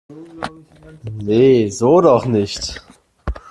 Nee, so doch nicht!